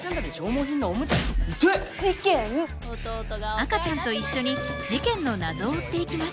赤ちゃんと一緒に事件の謎を追っていきます。